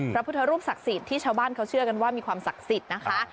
พระพุทธรูปศักดิ์สิทธิ์ที่ชาวบ้านเขาเชื่อกันว่ามีความศักดิ์สิทธิ์นะคะ